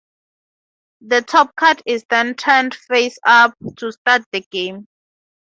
The top card is then turned face up to start the game.